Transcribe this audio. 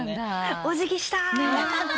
「お辞儀した」って。